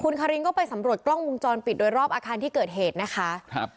คารินก็ไปสำรวจกล้องวงจรปิดโดยรอบอาคารที่เกิดเหตุนะคะครับ